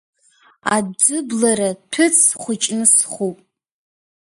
Аӡыблара ҭәыц хәыҷны схуп.